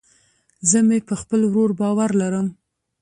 زه مې په خپل ورور باور لرم